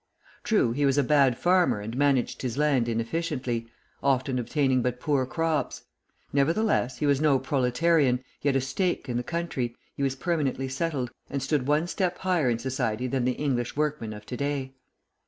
True, he was a bad farmer and managed his land inefficiently, often obtaining but poor crops; nevertheless, he was no proletarian, he had a stake in the country, he was permanently settled, and stood one step higher in society than the English workman of to day.